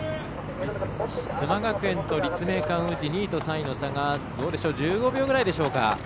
須磨学園と立命館宇治２位と３位の差が１５秒ぐらいでしょうか。